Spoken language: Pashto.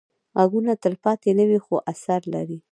غږونه تلپاتې نه وي، خو اثر لري